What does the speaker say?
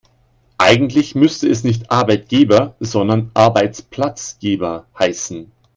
Eigentlich müsste es nicht Arbeitgeber, sondern Arbeitsplatzgeber heißen.